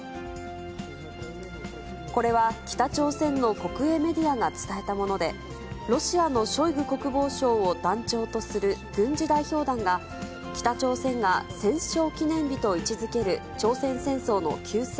これは北朝鮮の国営メディアが伝えたもので、ロシアのショイグ国防相を団長とする軍事代表団が、北朝鮮が戦勝記念日と位置づける朝鮮戦争の休戦